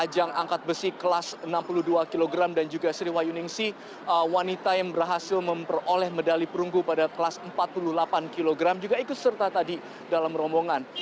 ajang angkat besi kelas enam puluh dua kg dan juga sriwayuningsi wanita yang berhasil memperoleh medali perunggu pada kelas empat puluh delapan kg juga ikut serta tadi dalam rombongan